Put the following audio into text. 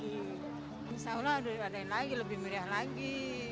insya allah ada yang lagi lebih meriah lagi